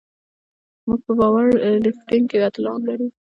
موږ په پاور لفټینګ کې اتلان لرو.